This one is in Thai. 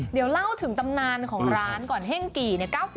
เดี๋ยวเล่าถึงตำนานของร้านก่อนเฮ่งกี่๙๐ปีเลยเหรอคะ